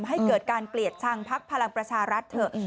ให้เกิดการเกลียดชังพักพลังประชารัฐเถอะ